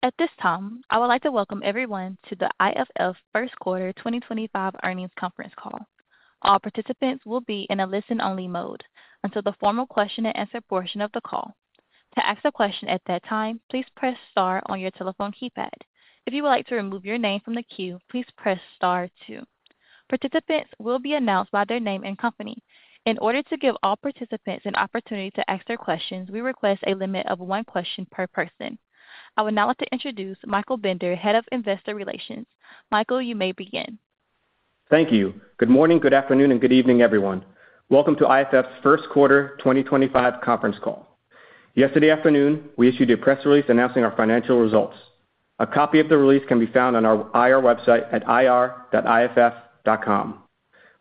At this time, I would like to welcome everyone to the IFF First Quarter 2025 earnings conference call. All participants will be in a listen-only mode until the formal question-and-answer portion of the call. To ask a question at that time, please press star on your telephone keypad. If you would like to remove your name from the queue, please press star two. Participants will be announced by their name and company. In order to give all participants an opportunity to ask their questions, we request a limit of one question per person. I would now like to introduce Michael Bender, Head of Investor Relations. Michael, you may begin. Thank you. Good morning, good afternoon, and good evening, everyone. Welcome to IFF's first quarter 2025 conference call. Yesterday afternoon, we issued a press release announcing our financial results. A copy of the release can be found on our IR website at ir-iff.com.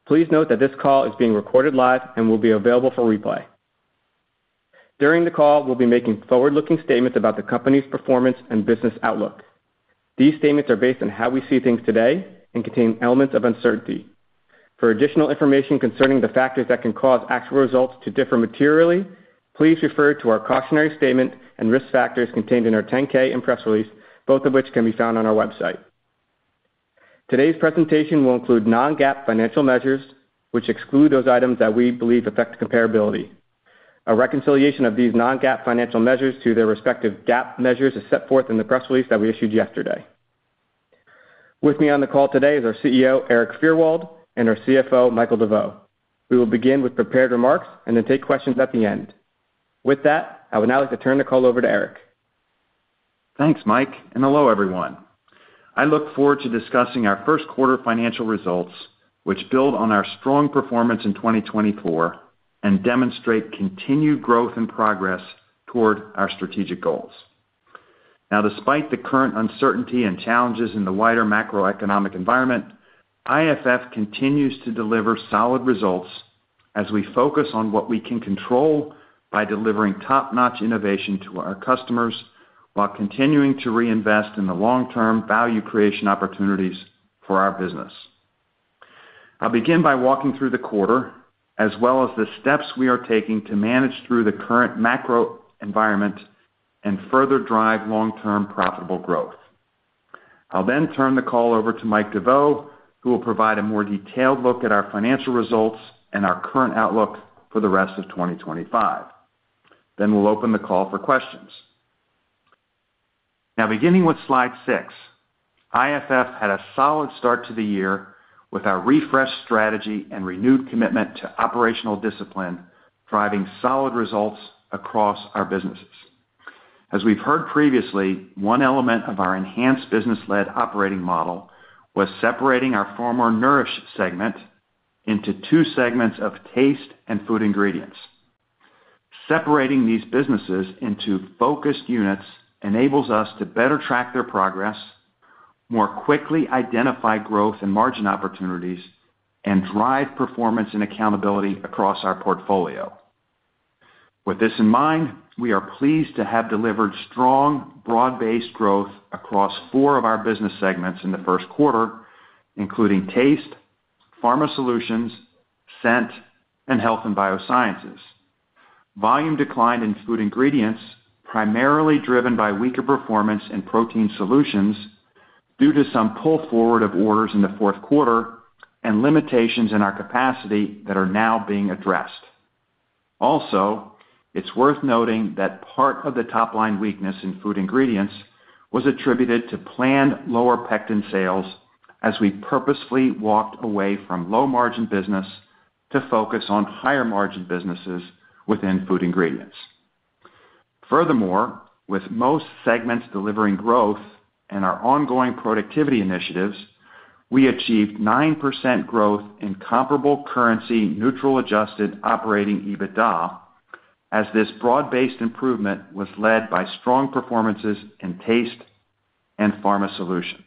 Please note that this call is being recorded live and will be available for replay. During the call, we'll be making forward-looking statements about the company's performance and business outlook. These statements are based on how we see things today and contain elements of uncertainty. For additional information concerning the factors that can cause actual results to differ materially, please refer to our cautionary statement and risk factors contained in our 10-K and press release, both of which can be found on our website. Today's presentation will include non-GAAP financial measures, which exclude those items that we believe affect comparability. A reconciliation of these non-GAAP financial measures to their respective GAAP measures is set forth in the press release that we issued yesterday. With me on the call today is our CEO, Eric Fyrwald, and our CFO, Michael Deveau. We will begin with prepared remarks and then take questions at the end. With that, I would now like to turn the call over to Eric. Thanks, Mike, and hello, everyone. I look forward to discussing our first quarter financial results, which build on our strong performance in 2024 and demonstrate continued growth and progress toward our strategic goals. Now, despite the current uncertainty and challenges in the wider macroeconomic environment, IFF continues to deliver solid results as we focus on what we can control by delivering top-notch innovation to our customers while continuing to reinvest in the long-term value creation opportunities for our business. I'll begin by walking through the quarter as well as the steps we are taking to manage through the current macro environment and further drive long-term profitable growth. I'll then turn the call over to Mike Deveau, who will provide a more detailed look at our financial results and our current outlook for the rest of 2025. Then we'll open the call for questions. Now, beginning with slide six, IFF had a solid start to the year with our refreshed strategy and renewed commitment to operational discipline, driving solid results across our businesses. As we've heard previously, one element of our enhanced business-led operating model was separating our former nourish segment into two segments of taste and food ingredients. Separating these businesses into focused units enables us to better track their progress, more quickly identify growth and margin opportunities, and drive performance and accountability across our portfolio. With this in mind, we are pleased to have delivered strong, broad-based growth across four of our business segments in the first quarter, including taste, pharma solutions, scent, and health and biosciences. Volume declined in food ingredients, primarily driven by weaker performance in protein solutions due to some pull forward of orders in the fourth quarter and limitations in our capacity that are now being addressed. Also, it's worth noting that part of the top-line weakness in food ingredients was attributed to planned lower pectin sales as we purposefully walked away from low-margin business to focus on higher-margin businesses within food ingredients. Furthermore, with most segments delivering growth and our ongoing productivity initiatives, we achieved 9% growth in comparable currency-neutral adjusted operating EBITDA as this broad-based improvement was led by strong performances in taste and pharma solutions.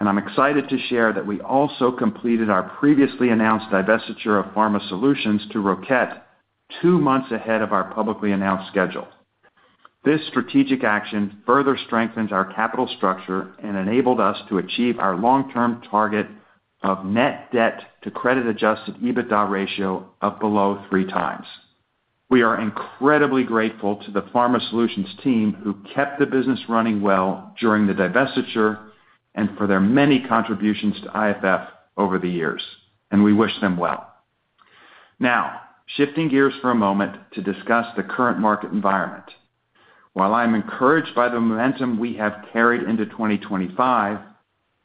I'm excited to share that we also completed our previously announced divestiture of Pharma Solutions to Roquette two months ahead of our publicly announced schedule. This strategic action further strengthens our capital structure and enabled us to achieve our long-term target of net debt to credit-adjusted EBITDA ratio of below three times. We are incredibly grateful to the Pharma Solutions team who kept the business running well during the divestiture and for their many contributions to IFF over the years, and we wish them well. Now, shifting gears for a moment to discuss the current market environment. While I'm encouraged by the momentum we have carried into 2025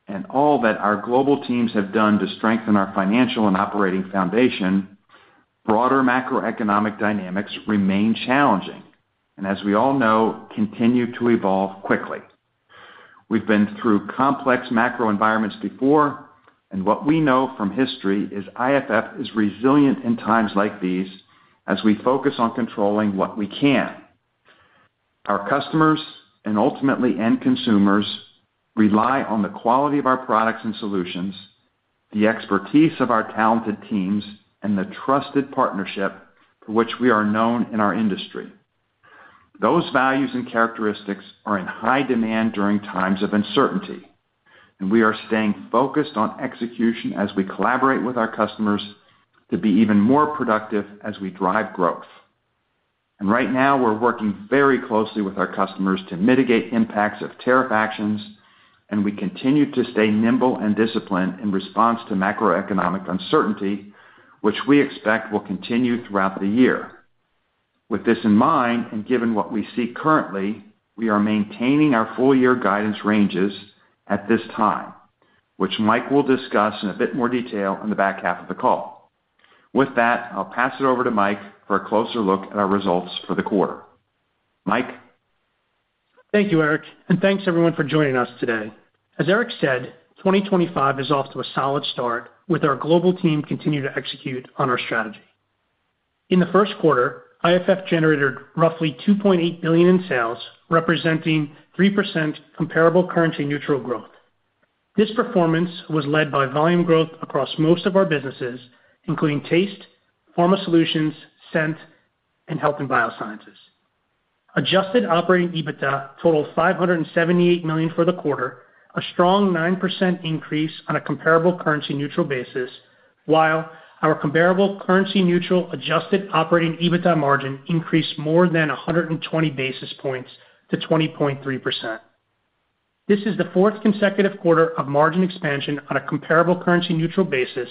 and all that our global teams have done to strengthen our financial and operating foundation, broader macroeconomic dynamics remain challenging and, as we all know, continue to evolve quickly. We've been through complex macro environments before, and what we know from history is IFF is resilient in times like these as we focus on controlling what we can. Our customers and ultimately end consumers rely on the quality of our products and solutions, the expertise of our talented teams, and the trusted partnership for which we are known in our industry. Those values and characteristics are in high demand during times of uncertainty, and we are staying focused on execution as we collaborate with our customers to be even more productive as we drive growth. Right now, we're working very closely with our customers to mitigate impacts of tariff actions, and we continue to stay nimble and disciplined in response to macroeconomic uncertainty, which we expect will continue throughout the year. With this in mind and given what we see currently, we are maintaining our full-year guidance ranges at this time, which Mike will discuss in a bit more detail in the back half of the call. With that, I'll pass it over to Mike for a closer look at our results for the quarter. Mike. Thank you, Eric, and thanks everyone for joining us today. As Eric said, 2025 is off to a solid start with our global team continuing to execute on our strategy. In the first quarter, IFF generated roughly $2.8 billion in sales, representing 3% comparable currency-neutral growth. This performance was led by volume growth across most of our businesses, including taste, pharma solutions, scent, and health and biosciences. Adjusted operating EBITDA totaled $578 million for the quarter, a strong 9% increase on a comparable currency-neutral basis, while our comparable currency-neutral adjusted operating EBITDA margin increased more than 120 basis points to 20.3%. This is the fourth consecutive quarter of margin expansion on a comparable currency-neutral basis,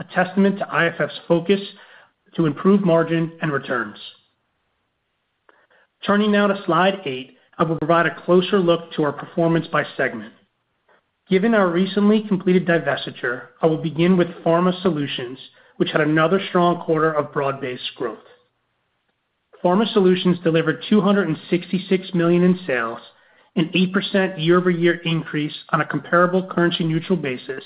a testament to IFF's focus to improve margin and returns. Turning now to slide eight, I will provide a closer look to our performance by segment. Given our recently completed divestiture, I will begin with pharma solutions, which had another strong quarter of broad-based growth. Pharma solutions delivered $266 million in sales, an 8% year-over-year increase on a comparable currency-neutral basis,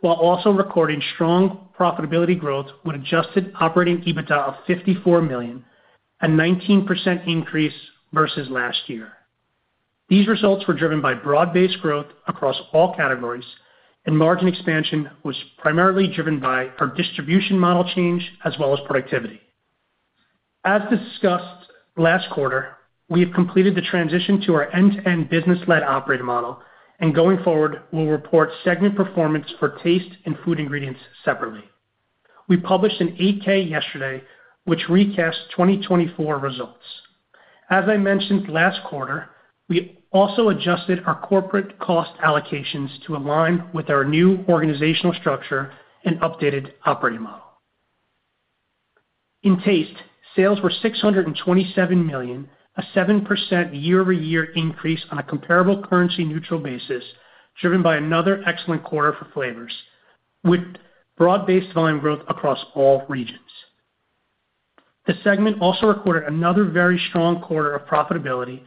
while also recording strong profitability growth with adjusted operating EBITDA of $54 million, a 19% increase versus last year. These results were driven by broad-based growth across all categories, and margin expansion was primarily driven by our distribution model change as well as productivity. As discussed last quarter, we have completed the transition to our end-to-end business-led operating model, and going forward, we'll report segment performance for taste and food ingredients separately. We published an 8-K yesterday, which recast 2024 results. As I mentioned last quarter, we also adjusted our corporate cost allocations to align with our new organizational structure and updated operating model. In taste, sales were $627 million, a 7% year-over-year increase on a comparable currency-neutral basis, driven by another excellent quarter for flavors, with broad-based volume growth across all regions. The segment also recorded another very strong quarter of profitability,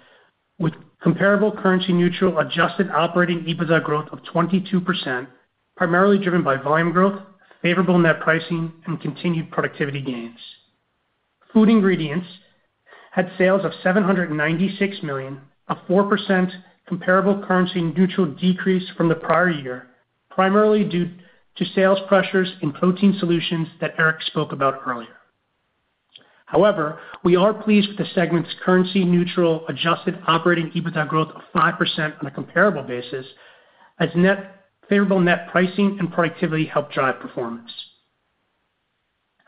with comparable currency-neutral adjusted operating EBITDA growth of 22%, primarily driven by volume growth, favorable net pricing, and continued productivity gains. Food ingredients had sales of $796 million, a 4% comparable currency-neutral decrease from the prior year, primarily due to sales pressures in protein solutions that Eric spoke about earlier. However, we are pleased with the segment's currency-neutral adjusted operating EBITDA growth of 5% on a comparable basis as favorable net pricing and productivity helped drive performance.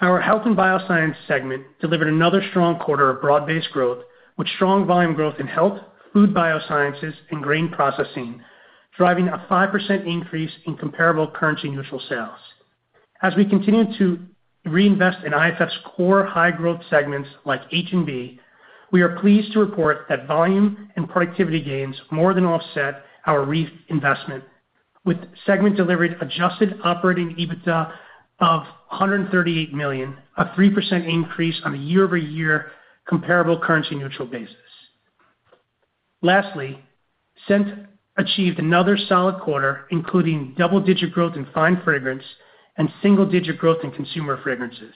Our health and bioscience segment delivered another strong quarter of broad-based growth, with strong volume growth in health, food biosciences, and grain processing, driving a 5% increase in comparable currency-neutral sales. As we continue to reinvest in IFF's core high-growth segments like H&B, we are pleased to report that volume and productivity gains more than offset our reinvestment, with segment delivered adjusted operating EBITDA of $138 million, a 3% increase on a year-over-year comparable currency-neutral basis. Lastly, scent achieved another solid quarter, including double-digit growth in fine fragrance and single-digit growth in consumer fragrances.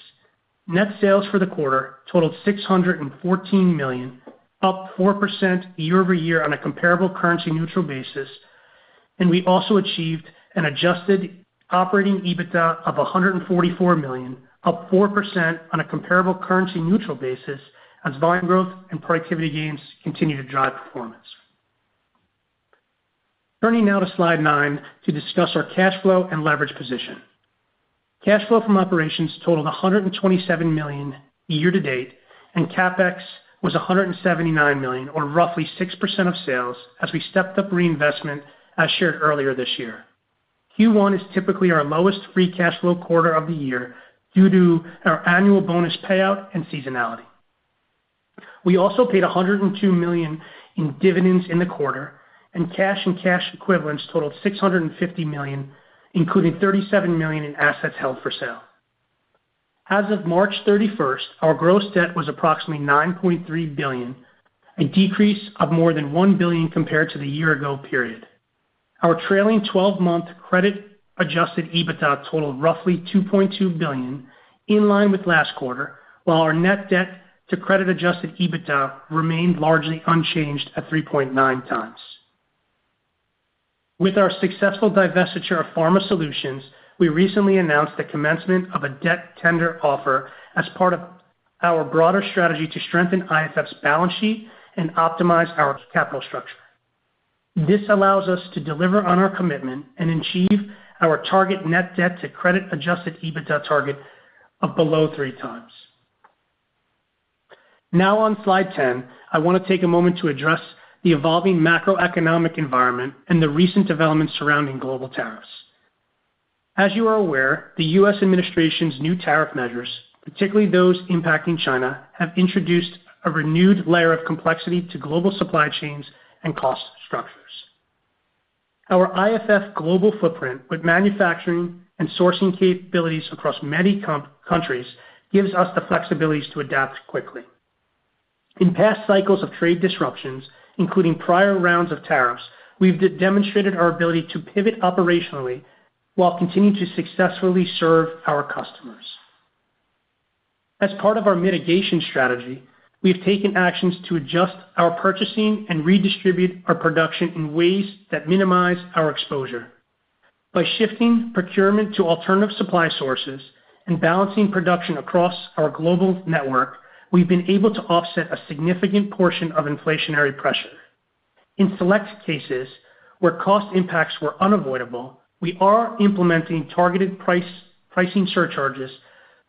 Net sales for the quarter totaled $614 million, up 4% year-over-year on a comparable currency-neutral basis, and we also achieved an adjusted operating EBITDA of $144 million, up 4% on a comparable currency-neutral basis as volume growth and productivity gains continue to drive performance. Turning now to slide nine to discuss our cash flow and leverage position. Cash flow from operations totaled $127 million year-to-date, and CapEx was $179 million, or roughly 6% of sales, as we stepped up reinvestment as shared earlier this year. Q1 is typically our lowest free cash flow quarter of the year due to our annual bonus payout and seasonality. We also paid $102 million in dividends in the quarter, and cash and cash equivalents totaled $650 million, including $37 million in assets held for sale. As of March 31, our gross debt was approximately $9.3 billion, a decrease of more than $1 billion compared to the year-ago period. Our trailing 12-month credit-adjusted EBITDA totaled roughly $2.2 billion, in line with last quarter, while our net debt to credit-adjusted EBITDA remained largely unchanged at 3.9 times. With our successful divestiture of pharma solutions, we recently announced the commencement of a debt tender offer as part of our broader strategy to strengthen IFF's balance sheet and optimize our capital structure. This allows us to deliver on our commitment and achieve our target net debt to credit-adjusted EBITDA target of below three times. Now, on slide 10, I want to take a moment to address the evolving macroeconomic environment and the recent developments surrounding global tariffs. As you are aware, the U.S. administration's new tariff measures, particularly those impacting China, have introduced a renewed layer of complexity to global supply chains and cost structures. Our IFF global footprint with manufacturing and sourcing capabilities across many countries gives us the flexibilities to adapt quickly. In past cycles of trade disruptions, including prior rounds of tariffs, we've demonstrated our ability to pivot operationally while continuing to successfully serve our customers. As part of our mitigation strategy, we've taken actions to adjust our purchasing and redistribute our production in ways that minimize our exposure. By shifting procurement to alternative supply sources and balancing production across our global network, we've been able to offset a significant portion of inflationary pressure. In select cases where cost impacts were unavoidable, we are implementing targeted pricing surcharges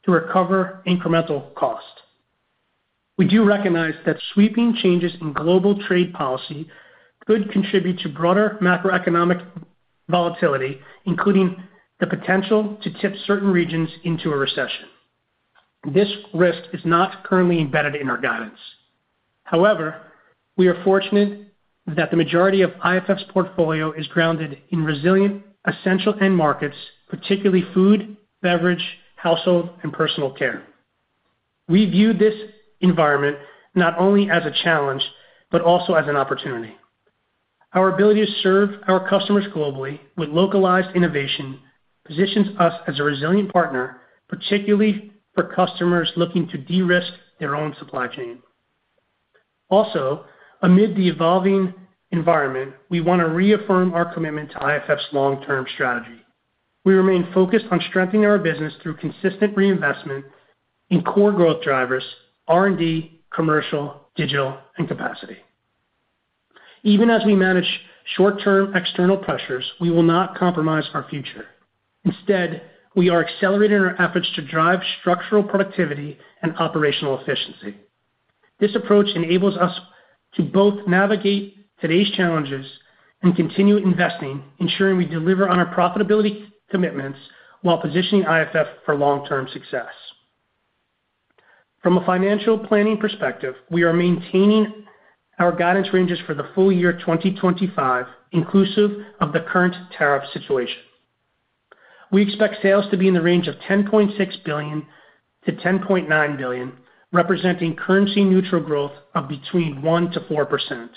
to recover incremental cost. We do recognize that sweeping changes in global trade policy could contribute to broader macroeconomic volatility, including the potential to tip certain regions into a recession. This risk is not currently embedded in our guidance. However, we are fortunate that the majority of IFF's portfolio is grounded in resilient essential end markets, particularly food, beverage, household, and personal care. We view this environment not only as a challenge but also as an opportunity. Our ability to serve our customers globally with localized innovation positions us as a resilient partner, particularly for customers looking to de-risk their own supply chain. Also, amid the evolving environment, we want to reaffirm our commitment to IFF's long-term strategy. We remain focused on strengthening our business through consistent reinvestment in core growth drivers: R&D, commercial, digital, and capacity. Even as we manage short-term external pressures, we will not compromise our future. Instead, we are accelerating our efforts to drive structural productivity and operational efficiency. This approach enables us to both navigate today's challenges and continue investing, ensuring we deliver on our profitability commitments while positioning IFF for long-term success. From a financial planning perspective, we are maintaining our guidance ranges for the full year 2025, inclusive of the current tariff situation. We expect sales to be in the range of $10.6 billion-$10.9 billion, representing currency-neutral growth of between 1%-4%.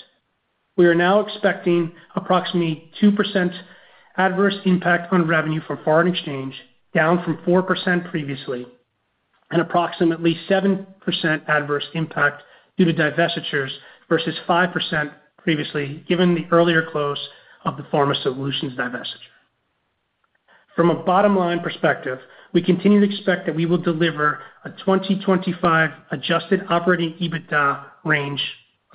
We are now expecting approximately 2% adverse impact on revenue from foreign exchange, down from 4% previously, and approximately 7% adverse impact due to divestitures versus 5% previously, given the earlier close of the pharma solutions divestiture. From a bottom-line perspective, we continue to expect that we will deliver a 2025 adjusted operating EBITDA range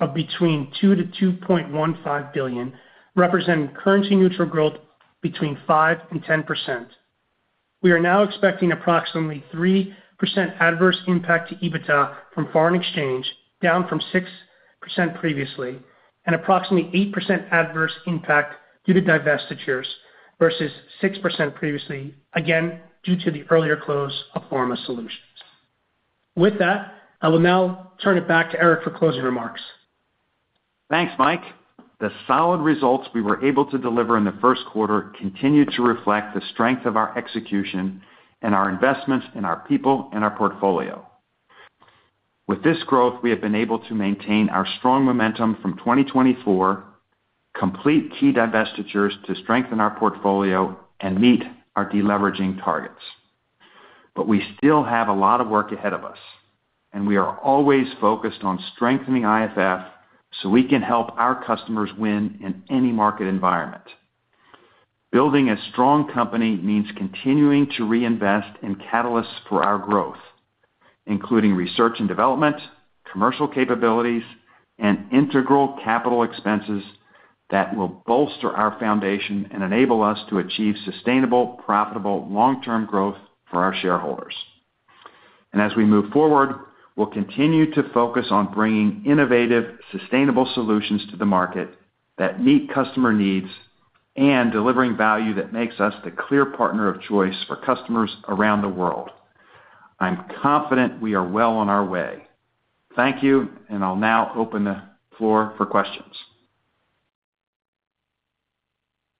of between $2 billion and $2.15 billion, representing currency-neutral growth between 5% and 10%. We are now expecting approximately 3% adverse impact to EBITDA from foreign exchange, down from 6% previously, and approximately 8% adverse impact due to divestitures versus 6% previously, again due to the earlier close of pharma solutions. With that, I will now turn it back to Eric for closing remarks. Thanks, Mike. The solid results we were able to deliver in the first quarter continue to reflect the strength of our execution and our investments in our people and our portfolio. With this growth, we have been able to maintain our strong momentum from 2024, complete key divestitures to strengthen our portfolio, and meet our deleveraging targets. We still have a lot of work ahead of us, and we are always focused on strengthening IFF so we can help our customers win in any market environment. Building a strong company means continuing to reinvest in catalysts for our growth, including research and development, commercial capabilities, and integral capital expenses that will bolster our foundation and enable us to achieve sustainable, profitable, long-term growth for our shareholders. As we move forward, we'll continue to focus on bringing innovative, sustainable solutions to the market that meet customer needs and delivering value that makes us the clear partner of choice for customers around the world. I'm confident we are well on our way. Thank you, and I'll now open the floor for questions.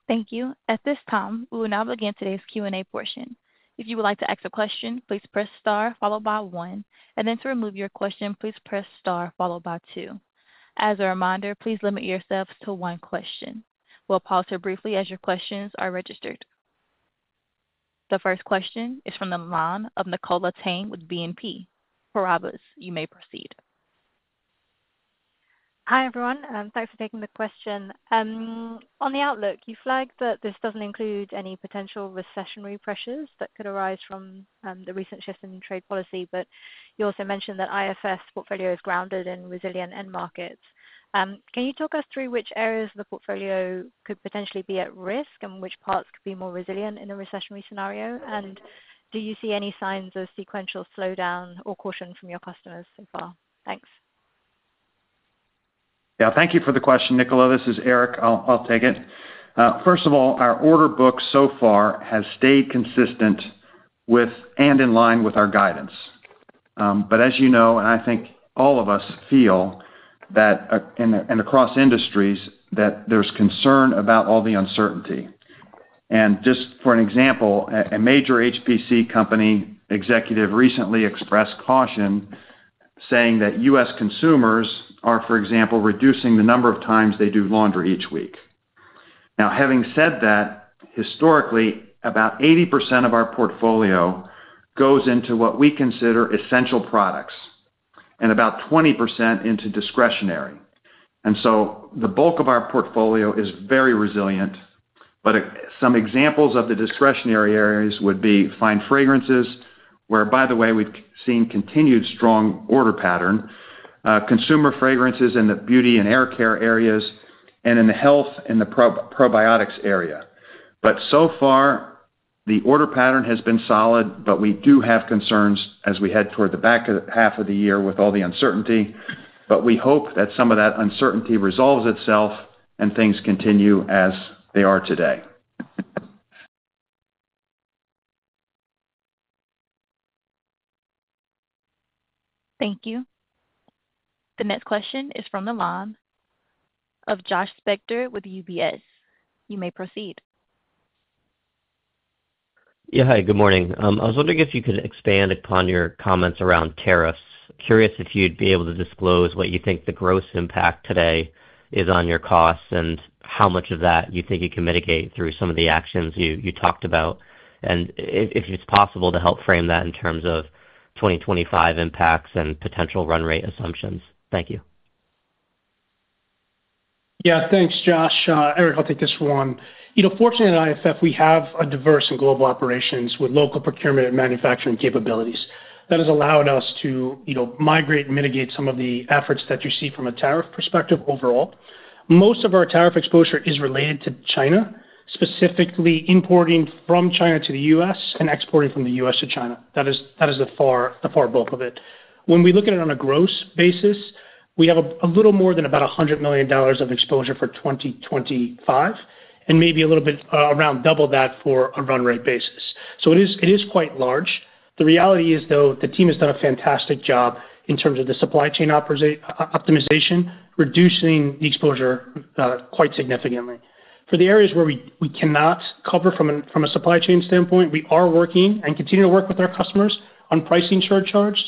Thank you. At this time, we will now begin today's Q&A portion. If you would like to ask a question, please press star followed by one, and then to remove your question, please press star followed by two. As a reminder, please limit yourselves to one question. We'll pause here briefly as your questions are registered. The first question is from the line of Nicola Tang with BNP Paribas. For Robert, you may proceed. Hi, everyone. Thanks for taking the question. On the outlook, you flagged that this does not include any potential recessionary pressures that could arise from the recent shift in trade policy, but you also mentioned that IFF's portfolio is grounded in resilient end markets. Can you talk us through which areas of the portfolio could potentially be at risk and which parts could be more resilient in a recessionary scenario? Do you see any signs of sequential slowdown or caution from your customers so far? Thanks. Yeah, thank you for the question, Nicola. This is Eric. I'll take it. First of all, our order book so far has stayed consistent with and in line with our guidance. As you know, and I think all of us feel that, across industries, there's concern about all the uncertainty. For example, a major HPC company executive recently expressed caution, saying that U.S. consumers are, for example, reducing the number of times they do laundry each week. Now, having said that, historically, about 80% of our portfolio goes into what we consider essential products and about 20% into discretionary. The bulk of our portfolio is very resilient, but some examples of the discretionary areas would be fine fragrances, where, by the way, we've seen continued strong order pattern, consumer fragrances in the beauty and hair care areas, and in the health and the probiotics area. So far, the order pattern has been solid, but we do have concerns as we head toward the back half of the year with all the uncertainty. We hope that some of that uncertainty resolves itself and things continue as they are today. Thank you. The next question is from the line of Josh Spector with UBS. You may proceed. Yeah, hi. Good morning. I was wondering if you could expand upon your comments around tariffs. Curious if you'd be able to disclose what you think the gross impact today is on your costs and how much of that you think you can mitigate through some of the actions you talked about, and if it's possible to help frame that in terms of 2025 impacts and potential run rate assumptions. Thank you. Yeah, thanks, Josh. Eric, I'll take this one. Fortunately, at IFF, we have a diverse and global operations with local procurement and manufacturing capabilities. That has allowed us to migrate and mitigate some of the efforts that you see from a tariff perspective overall. Most of our tariff exposure is related to China, specifically importing from China to the U.S. and exporting from the U.S. to China. That is the far bulk of it. When we look at it on a gross basis, we have a little more than about $100 million of exposure for 2025 and maybe a little bit around double that for a run rate basis. So it is quite large. The reality is, though, the team has done a fantastic job in terms of the supply chain optimization, reducing the exposure quite significantly. For the areas where we cannot cover from a supply chain standpoint, we are working and continue to work with our customers on pricing surcharges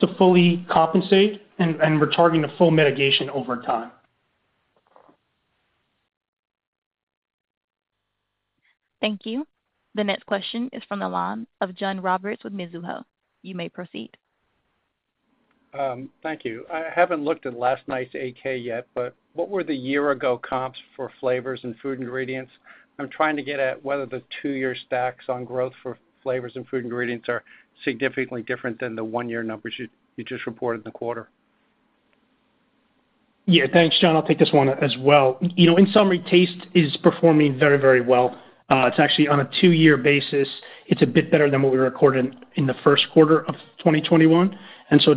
to fully compensate, and we're targeting a full mitigation over time. Thank you. The next question is from the line of John Roberts with Mizuho. You may proceed. Thank you. I haven't looked at last night's AK yet, but what were the year-ago comps for flavors and food ingredients? I'm trying to get at whether the two-year stacks on growth for flavors and food ingredients are significantly different than the one-year numbers you just reported in the quarter. Yeah, thanks, John. I'll take this one as well. In summary, taste is performing very, very well. It's actually on a two-year basis. It's a bit better than what we recorded in the first quarter of 2021.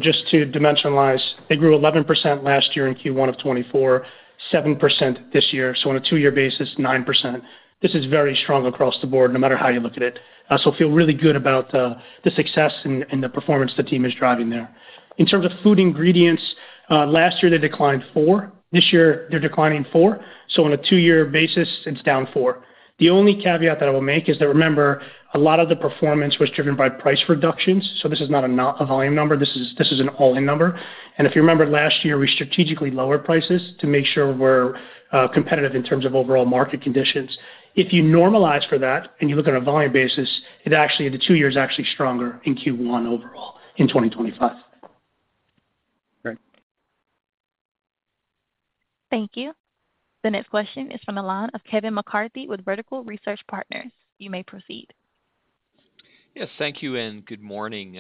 Just to dimensionalize, they grew 11% last year in Q1 of 2024, 7% this year. On a two-year basis, 9%. This is very strong across the board, no matter how you look at it. I feel really good about the success and the performance the team is driving there. In terms of food ingredients, last year they declined 4%. This year they're declining 4%. On a two-year basis, it's down 4%. The only caveat that I will make is that, remember, a lot of the performance was driven by price reductions. This is not a volume number. This is an all-in number. If you remember last year, we strategically lowered prices to make sure we're competitive in terms of overall market conditions. If you normalize for that and you look on a volume basis, the two-year is actually stronger in Q1 overall in 2025. Great. Thank you. The next question is from the line of Kevin McCarthy with Vertical Research Partners. You may proceed. Yes, thank you and good morning.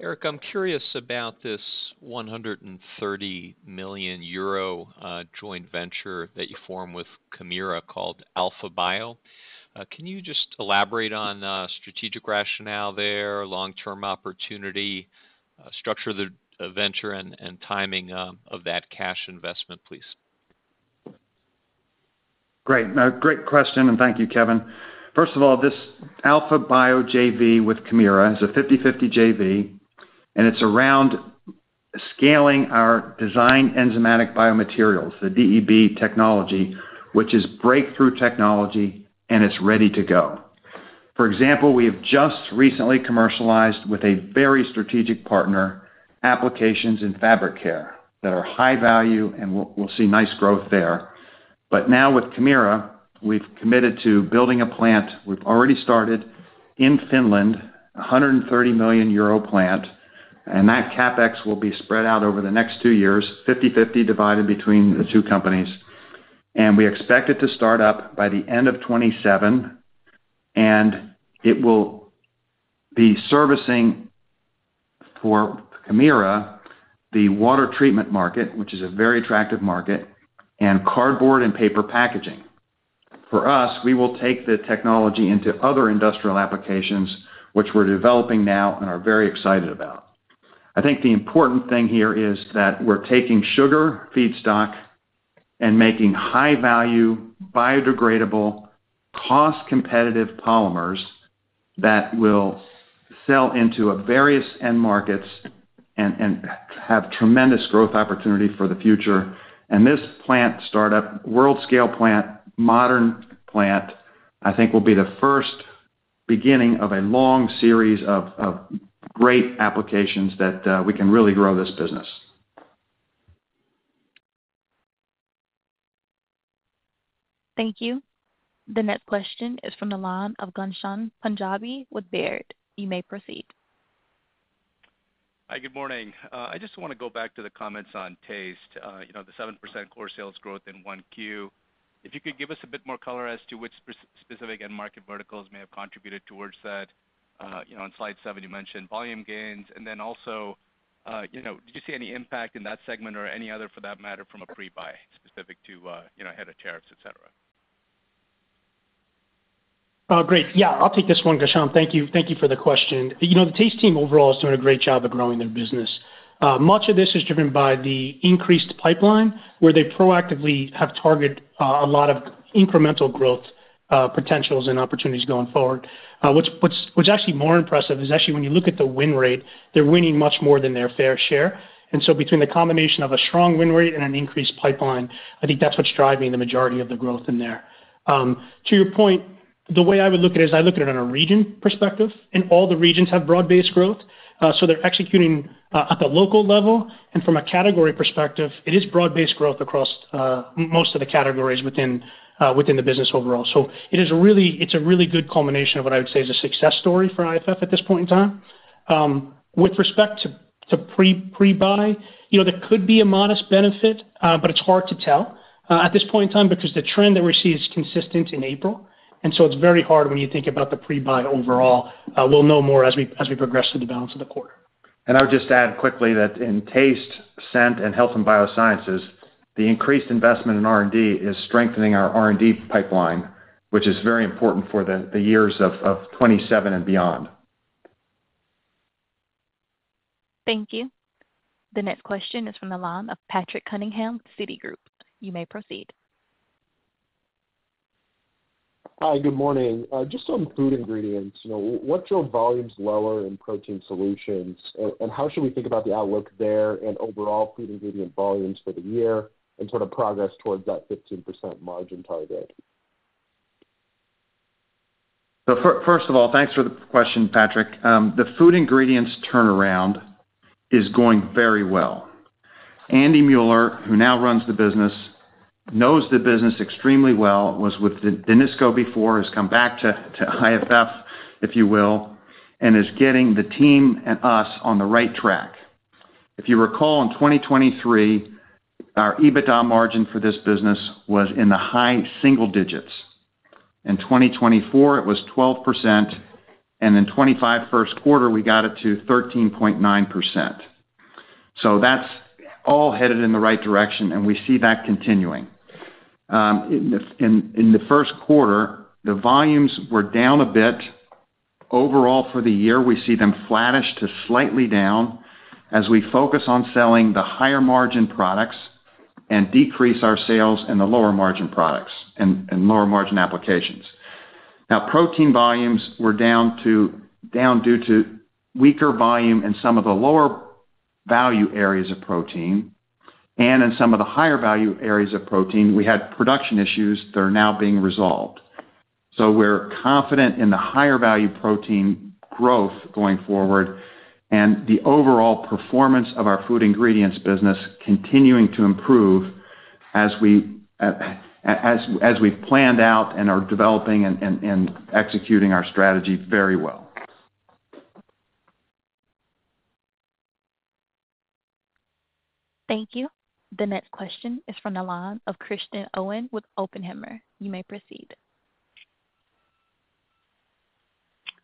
Eric, I'm curious about this 130 million euro joint venture that you formed with Camira called Alpha Bio. Can you just elaborate on strategic rationale there, long-term opportunity, structure of the venture, and timing of that cash investment, please? Great. Great question, and thank you, Kevin. First of all, this Alpha Bio JV with Camira is a 50/50 JV, and it's around scaling our designed enzymatic biomaterials, the DEB technology, which is breakthrough technology, and it's ready to go. For example, we have just recently commercialized with a very strategic partner, applications in fabric care that are high value, and we'll see nice growth there. Now with Camira, we've committed to building a plant. We've already started in Finland, a 130 million euro plant, and that CapEx will be spread out over the next two years, 50/50 divided between the two companies. We expect it to start up by the end of 2027, and it will be servicing for Camira the water treatment market, which is a very attractive market, and cardboard and paper packaging. For us, we will take the technology into other industrial applications, which we're developing now and are very excited about. I think the important thing here is that we're taking sugar feedstock and making high-value, biodegradable, cost-competitive polymers that will sell into various end markets and have tremendous growth opportunity for the future. This plant startup, world-scale plant, modern plant, I think will be the first beginning of a long series of great applications that we can really grow this business. Thank you. The next question is from the line of Ghansham Panjabi with Baird. You may proceed. Hi, good morning. I just want to go back to the comments on taste, the 7% core sales growth in Q1. If you could give us a bit more color as to which specific end market verticals may have contributed towards that. On slide seven, you mentioned volume gains, and then also, did you see any impact in that segment or any other, for that matter, from a pre-buy specific to ahead of tariffs, etc.? Oh, great. Yeah, I'll take this one, Ghansham. Thank you for the question. The taste team overall is doing a great job of growing their business. Much of this is driven by the increased pipeline, where they proactively have targeted a lot of incremental growth potentials and opportunities going forward. What's actually more impressive is actually when you look at the win rate, they're winning much more than their fair share. Between the combination of a strong win rate and an increased pipeline, I think that's what's driving the majority of the growth in there. To your point, the way I would look at it is I look at it on a region perspective, and all the regions have broad-based growth. They're executing at the local level, and from a category perspective, it is broad-based growth across most of the categories within the business overall. It's a really good culmination of what I would say is a success story for IFF at this point in time. With respect to pre-buy, there could be a modest benefit, but it's hard to tell at this point in time because the trend that we see is consistent in April. It is very hard when you think about the pre-buy overall. We'll know more as we progress through the balance of the quarter. I would just add quickly that in taste, scent, and health and biosciences, the increased investment in R&D is strengthening our R&D pipeline, which is very important for the years of 2027 and beyond. Thank you. The next question is from the line of Patrick Cunningham, Citigroup. You may proceed. Hi, good morning. Just on food ingredients, was your volumes lower in protein solutions, and how should we think about the outlook there and overall food ingredient volumes for the year and sort of progress towards that 15% margin target? First of all, thanks for the question, Patrick. The food ingredients turnaround is going very well. Andy Mueller, who now runs the business, knows the business extremely well, was with Danisco before, has come back to IFF, if you will, and is getting the team and us on the right track. If you recall, in 2023, our EBITDA margin for this business was in the high single digits. In 2024, it was 12%, and in 2025, first quarter, we got it to 13.9%. That is all headed in the right direction, and we see that continuing. In the first quarter, the volumes were down a bit. Overall, for the year, we see them flattish to slightly down as we focus on selling the higher margin products and decrease our sales in the lower margin products and lower margin applications. Now, protein volumes were down due to weaker volume in some of the lower value areas of protein, and in some of the higher value areas of protein, we had production issues that are now being resolved. We are confident in the higher value protein growth going forward and the overall performance of our food ingredients business continuing to improve as we've planned out and are developing and executing our strategy very well. Thank you. The next question is from the line of Kristen Owen with Oppenheimer. You may proceed.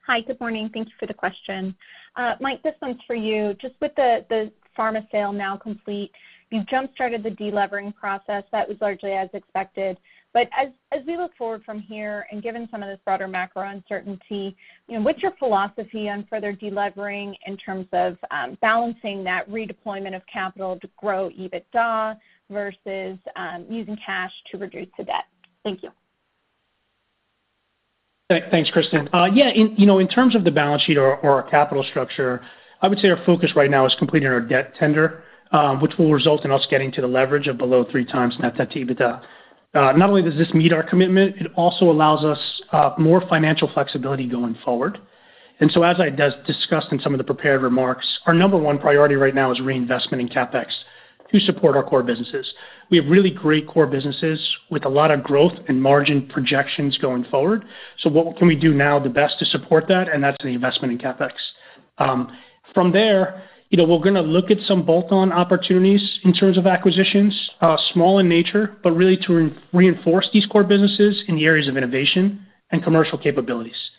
Hi, good morning. Thank you for the question. Mike, this one's for you. Just with the pharma sale now complete, you jump-started the delevering process. That was largely as expected. As we look forward from here and given some of this broader macro uncertainty, what's your philosophy on further delevering in terms of balancing that redeployment of capital to grow EBITDA versus using cash to reduce the debt? Thank you. Thanks, Kristin. Yeah, in terms of the balance sheet or our capital structure, I would say our focus right now is completing our debt tender, which will result in us getting to the leverage of below three times net debt to credit-adjusted EBITDA. Not only does this meet our commitment, it also allows us more financial flexibility going forward. As I discussed in some of the prepared remarks, our number one priority right now is reinvestment in CapEx to support our core businesses. We have really great core businesses with a lot of growth and margin projections going forward. What can we do now the best to support that? That is the investment in CapEx. From there, we are going to look at some bolt-on opportunities in terms of acquisitions, small in nature, but really to reinforce these core businesses in the areas of innovation and commercial capabilities.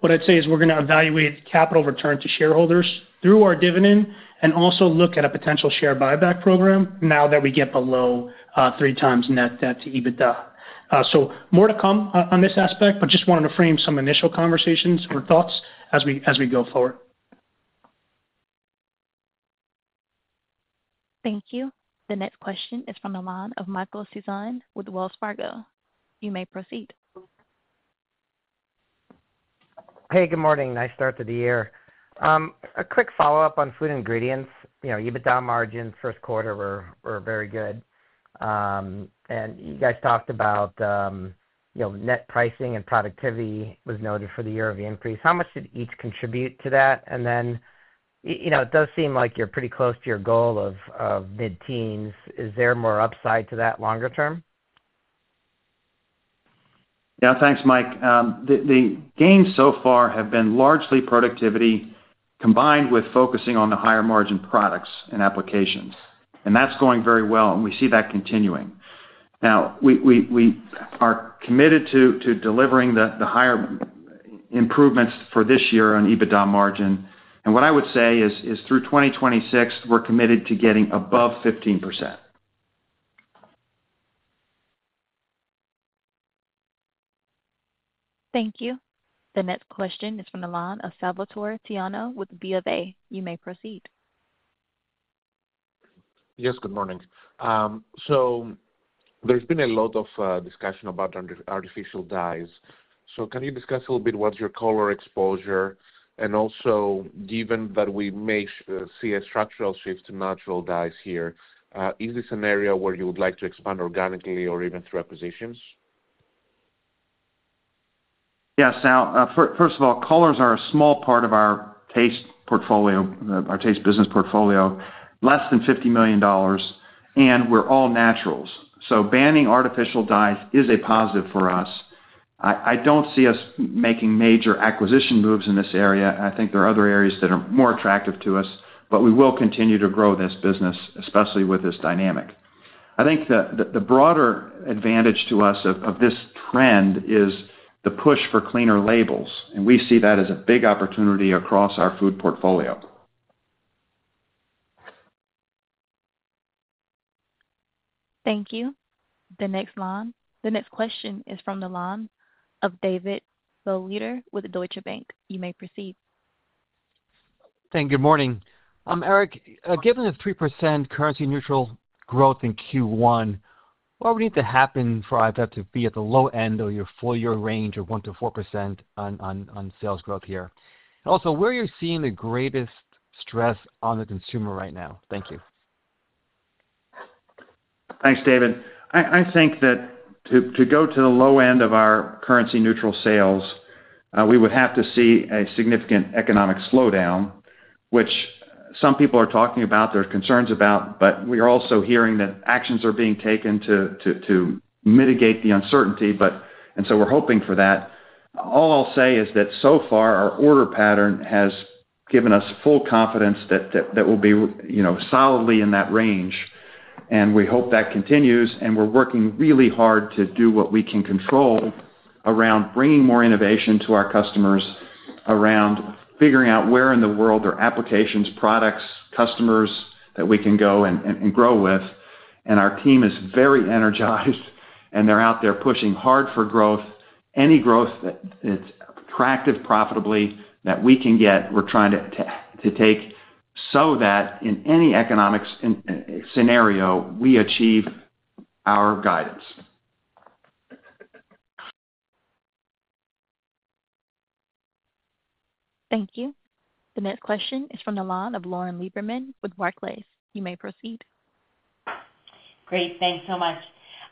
What I'd say is we're going to evaluate capital return to shareholders through our dividend and also look at a potential share buyback program now that we get below 3x net debt to EBITDA. More to come on this aspect, but just wanted to frame some initial conversations or thoughts as we go forward. Thank you. The next question is from the line of Michael Sison with Wells Fargo. You may proceed. Hey, good morning. Nice start to the year. A quick follow-up on food ingredients. EBITDA margin first quarter were very good. You guys talked about net pricing and productivity was noted for the year of the increase. How much did each contribute to that? It does seem like you're pretty close to your goal of mid-teens. Is there more upside to that longer term? Yeah, thanks, Mike. The gains so far have been largely productivity combined with focusing on the higher margin products and applications. That is going very well, and we see that continuing. Now, we are committed to delivering the higher improvements for this year on EBITDA margin. What I would say is through 2026, we are committed to getting above 15%. Thank you. The next question is from the line of Salvator Tiano with B of A. You may proceed. Yes, good morning. There's been a lot of discussion about artificial dyes. Can you discuss a little bit what's your color exposure? Also, given that we may see a structural shift to natural dyes here, is this an area where you would like to expand organically or even through acquisitions? Yes. Now, first of all, colors are a small part of our taste portfolio, our taste business portfolio, less than $50 million, and we're all naturals. So banning artificial dyes is a positive for us. I don't see us making major acquisition moves in this area. I think there are other areas that are more attractive to us, but we will continue to grow this business, especially with this dynamic. I think the broader advantage to us of this trend is the push for cleaner labels, and we see that as a big opportunity across our food portfolio. Thank you. The next question is from the line of David Begleiter with Deutsche Bank. You may proceed. Thank you. Good morning. Eric, given the 3% currency-neutral growth in Q1, what would need to happen for IFF to be at the low end of your four-year range of 1-4% on sales growth here? Also, where are you seeing the greatest stress on the consumer right now? Thank you. Thanks, David. I think that to go to the low end of our currency-neutral sales, we would have to see a significant economic slowdown, which some people are talking about, there are concerns about, but we are also hearing that actions are being taken to mitigate the uncertainty, and we are hoping for that. All I'll say is that so far, our order pattern has given us full confidence that we'll be solidly in that range, and we hope that continues. We are working really hard to do what we can control around bringing more innovation to our customers, around figuring out where in the world are applications, products, customers that we can go and grow with. Our team is very energized, and they're out there pushing hard for growth. Any growth that's attractive, profitably, that we can get, we're trying to take so that in any economic scenario, we achieve our guidance. Thank you. The next question is from the line of Lauren Lieberman with Barclays. You may proceed. Great. Thanks so much.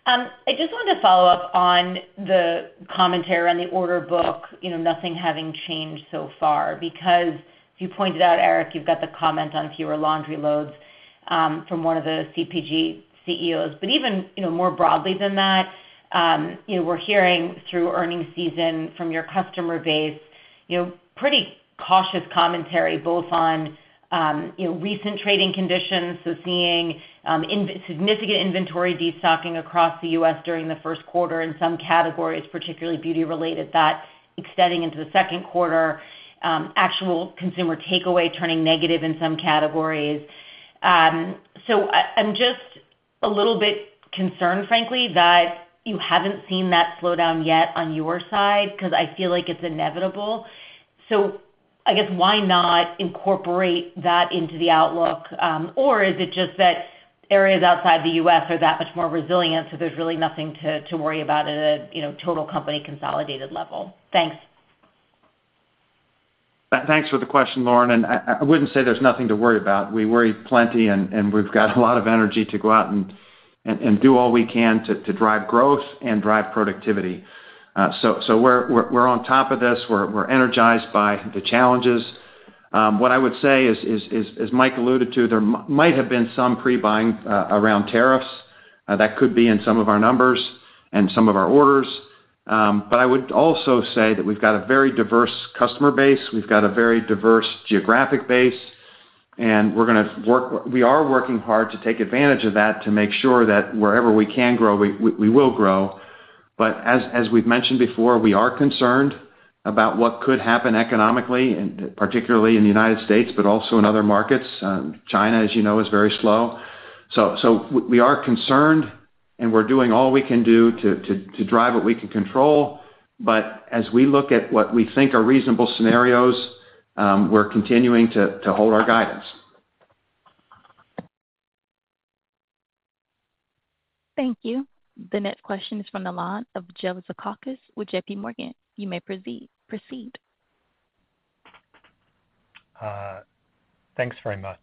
I just wanted to follow up on the commentary on the order book, nothing having changed so far, because you pointed out, Eric, you've got the comment on fewer laundry loads from one of the CPG CEOs. Even more broadly than that, we're hearing through earnings season from your customer base, pretty cautious commentary both on recent trading conditions, seeing significant inventory destocking across the US during the first quarter in some categories, particularly beauty-related, that extending into the second quarter, actual consumer takeaway turning negative in some categories. I'm just a little bit concerned, frankly, that you haven't seen that slowdown yet on your side because I feel like it's inevitable. I guess, why not incorporate that into the outlook? Or is it just that areas outside the U.S. are that much more resilient, so there's really nothing to worry about at a total company consolidated level? Thanks. Thanks for the question, Lauren. I would not say there is nothing to worry about. We worry plenty, and we have got a lot of energy to go out and do all we can to drive growth and drive productivity. We are on top of this. We are energized by the challenges. What I would say is, as Mike alluded to, there might have been some pre-buying around tariffs. That could be in some of our numbers and some of our orders. I would also say that we have got a very diverse customer base. We have got a very diverse geographic base. We are working hard to take advantage of that to make sure that wherever we can grow, we will grow. As we have mentioned before, we are concerned about what could happen economically, particularly in the United States, but also in other markets. China, as you know, is very slow. We are concerned, and we're doing all we can do to drive what we can control. As we look at what we think are reasonable scenarios, we're continuing to hold our guidance. Thank you. The next question is from the line of Joseph Cardoso with J.P. Morgan. You may proceed. Thanks very much.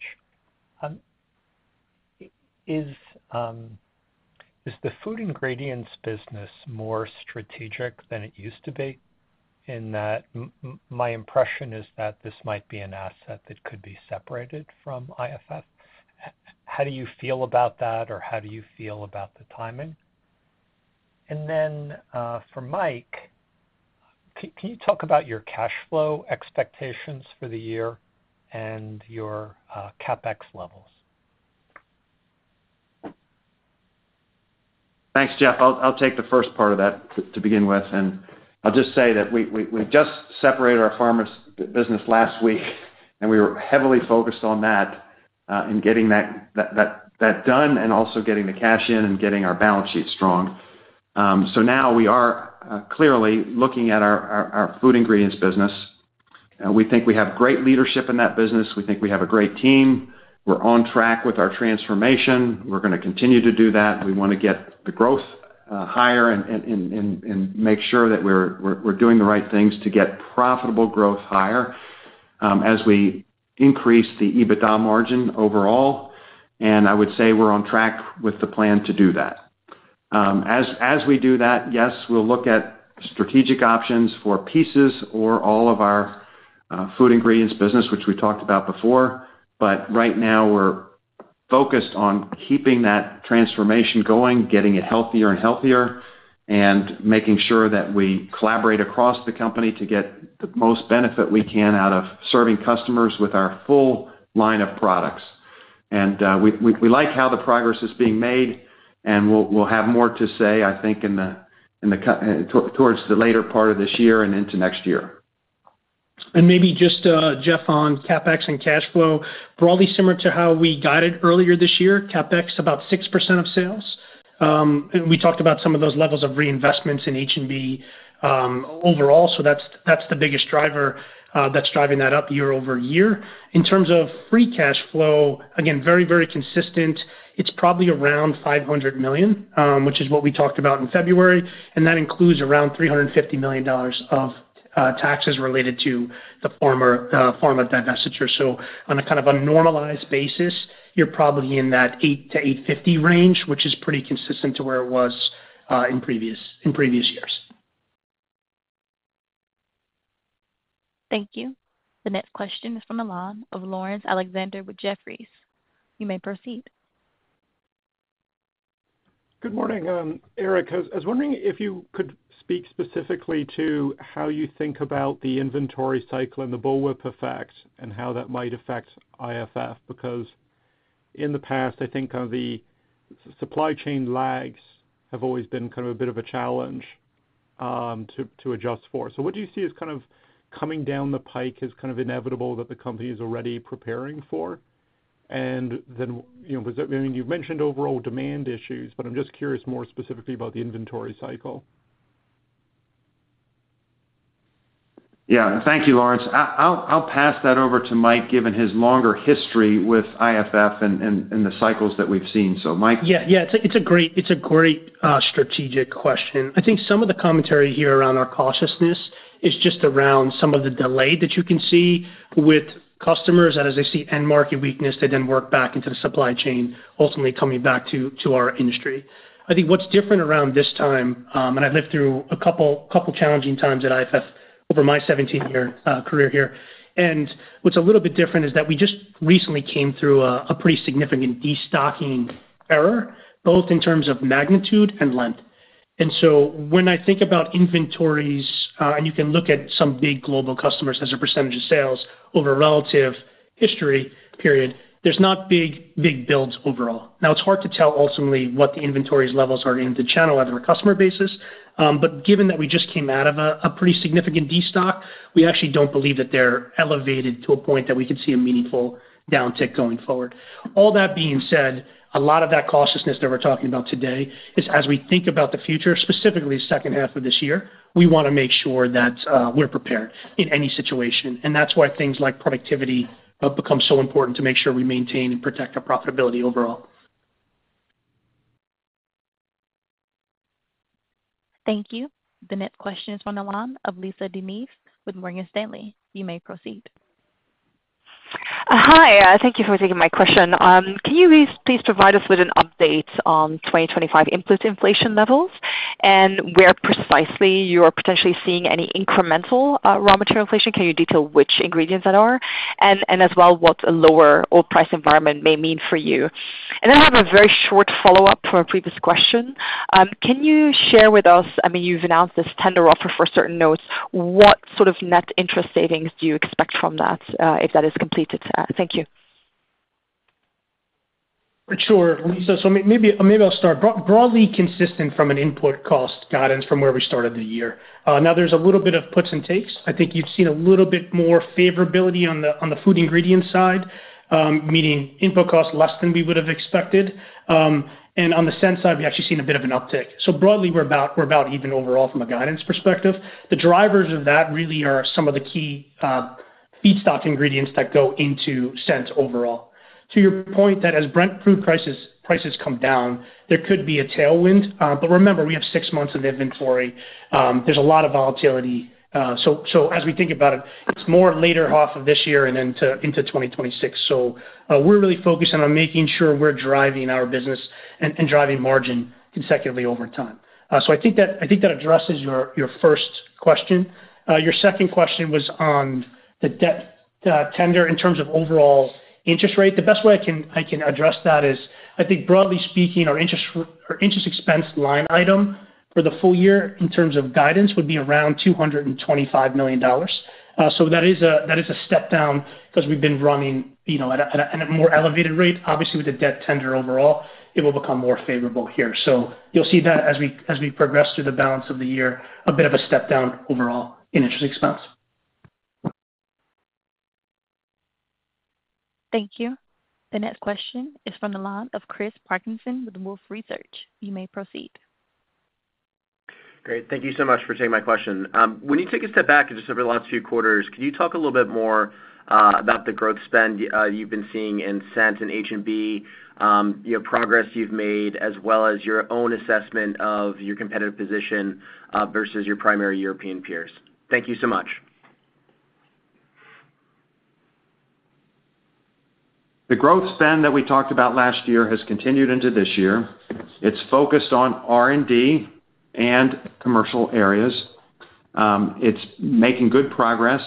Is the food ingredients business more strategic than it used to be? My impression is that this might be an asset that could be separated from IFF. How do you feel about that, or how do you feel about the timing? For Mike, can you talk about your cash flow expectations for the year and your CapEx levels? Thanks, Jeff. I'll take the first part of that to begin with. I'll just say that we just separated our pharma business last week, and we were heavily focused on that and getting that done and also getting the cash in and getting our balance sheet strong. Now we are clearly looking at our food ingredients business. We think we have great leadership in that business. We think we have a great team. We're on track with our transformation. We're going to continue to do that. We want to get the growth higher and make sure that we're doing the right things to get profitable growth higher as we increase the EBITDA margin overall. I would say we're on track with the plan to do that. As we do that, yes, we'll look at strategic options for pieces or all of our food ingredients business, which we talked about before. Right now, we're focused on keeping that transformation going, getting it healthier and healthier, and making sure that we collaborate across the company to get the most benefit we can out of serving customers with our full line of products. We like how the progress is being made, and we'll have more to say, I think, towards the later part of this year and into next year. Maybe just Jeff on CapEx and cash flow, broadly similar to how we guided earlier this year, CapEx about 6% of sales. We talked about some of those levels of reinvestments in H&B overall. That is the biggest driver that is driving that up year over year. In terms of free cash flow, again, very, very consistent. It is probably around $500 million, which is what we talked about in February. That includes around $350 million of taxes related to the pharma divestiture. On a kind of normalized basis, you are probably in that $830 million-$850 million range, which is pretty consistent to where it was in previous years. Thank you. The next question is from the line of Laurence Alexander with Jefferies. You may proceed. Good morning, Eric. I was wondering if you could speak specifically to how you think about the inventory cycle and the bullwhip effect and how that might affect IFF, because in the past, I think the supply chain lags have always been kind of a bit of a challenge to adjust for. What do you see as kind of coming down the pike as kind of inevitable that the company is already preparing for? You've mentioned overall demand issues, but I'm just curious more specifically about the inventory cycle. Yeah. Thank you, Laurence. I'll pass that over to Mike, given his longer history with IFF and the cycles that we've seen. So, Mike. Yeah, yeah. It's a great strategic question. I think some of the commentary here around our cautiousness is just around some of the delay that you can see with customers that, as they see end market weakness, they then work back into the supply chain, ultimately coming back to our industry. I think what's different around this time, and I've lived through a couple of challenging times at IFF over my 17-year career here. What's a little bit different is that we just recently came through a pretty significant destocking error, both in terms of magnitude and length. When I think about inventories, and you can look at some big global customers as a percentage of sales over relative history, there's not big builds overall. Now, it's hard to tell ultimately what the inventory's levels are in the channel or their customer basis. Given that we just came out of a pretty significant destock, we actually do not believe that they are elevated to a point that we could see a meaningful downtick going forward. All that being said, a lot of that cautiousness that we are talking about today is, as we think about the future, specifically the second half of this year, we want to make sure that we are prepared in any situation. That is why things like productivity have become so important to make sure we maintain and protect our profitability overall. Thank you. The next question is from the line of Lisa De Neve with Morgan Stanley. You may proceed. Hi. Thank you for taking my question. Can you please provide us with an update on 2025 input inflation levels and where precisely you are potentially seeing any incremental raw material inflation? Can you detail which ingredients that are? Also, what a lower oil price environment may mean for you? I have a very short follow-up from a previous question. Can you share with us, I mean, you've announced this tender offer for certain notes. What sort of net interest savings do you expect from that if that is completed? Thank you. Sure. Maybe I'll start. Broadly consistent from an input cost guidance from where we started the year. Now, there's a little bit of puts and takes. I think you've seen a little bit more favorability on the food ingredients side, meaning input costs less than we would have expected. On the scent side, we've actually seen a bit of an uptick. Broadly, we're about even overall from a guidance perspective. The drivers of that really are some of the key feedstock ingredients that go into scent overall. To your point, as Brent food prices come down, there could be a tailwind. Remember, we have six months of inventory. There's a lot of volatility. As we think about it, it's more later half of this year and then into 2026. We're really focusing on making sure we're driving our business and driving margin consecutively over time. I think that addresses your first question. Your second question was on the debt tender in terms of overall interest rate. The best way I can address that is, I think, broadly speaking, our interest expense line item for the full year in terms of guidance would be around $225 million. That is a step down because we've been running at a more elevated rate. Obviously, with the debt tender overall, it will become more favorable here. You'll see that as we progress through the balance of the year, a bit of a step down overall in interest expense. Thank you. The next question is from the line of Chris Parkinson with Wolfe Research. You may proceed. Great. Thank you so much for taking my question. When you take a step back just over the last few quarters, can you talk a little bit more about the growth spend you've been seeing in scent and H&B, progress you've made, as well as your own assessment of your competitive position versus your primary European peers? Thank you so much. The growth spend that we talked about last year has continued into this year. It's focused on R&D and commercial areas. It's making good progress.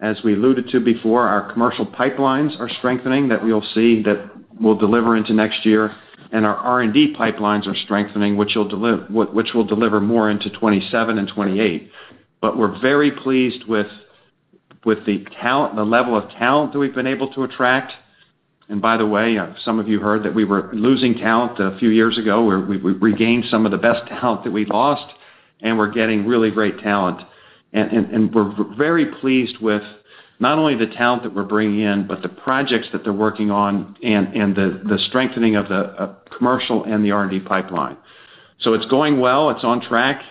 As we alluded to before, our commercial pipelines are strengthening that we'll see that we'll deliver into next year. And our R&D pipelines are strengthening, which will deliver more into 2027 and 2028. We are very pleased with the level of talent that we've been able to attract. By the way, some of you heard that we were losing talent a few years ago. We regained some of the best talent that we lost, and we're getting really great talent. We are very pleased with not only the talent that we're bringing in, but the projects that they're working on and the strengthening of the commercial and the R&D pipeline. It is going well. It is on track.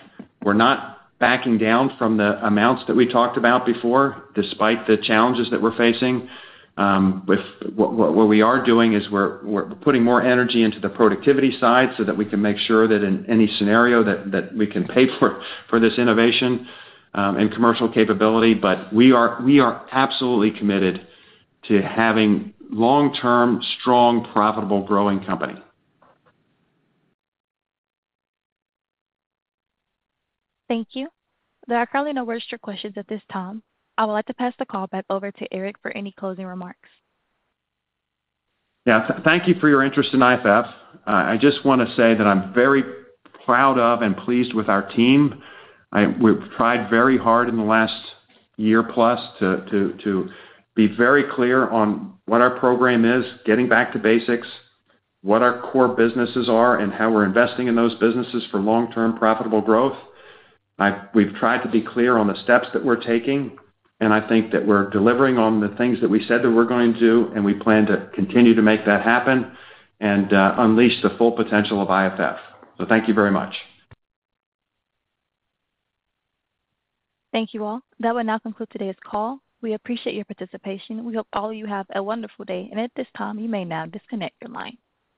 We're not backing down from the amounts that we talked about before, despite the challenges that we're facing. What we are doing is we're putting more energy into the productivity side so that we can make sure that in any scenario that we can pay for this innovation and commercial capability. We are absolutely committed to having long-term, strong, profitable, growing company. Thank you. There are currently no registered questions at this time. I would like to pass the call back over to Eric for any closing remarks. Yeah. Thank you for your interest in IFF. I just want to say that I'm very proud of and pleased with our team. We've tried very hard in the last year plus to be very clear on what our program is, getting back to basics, what our core businesses are, and how we're investing in those businesses for long-term profitable growth. We've tried to be clear on the steps that we're taking. I think that we're delivering on the things that we said that we're going to do, and we plan to continue to make that happen and unleash the full potential of IFF. Thank you very much. Thank you all. That will now conclude today's call. We appreciate your participation. We hope all of you have a wonderful day. At this time, you may now disconnect your line.